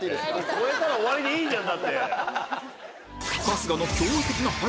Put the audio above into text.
超えたら終わりでいいじゃん！